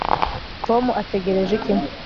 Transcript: tom ategereje iki